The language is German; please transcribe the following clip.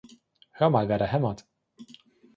Hör' mal, wer da hämmert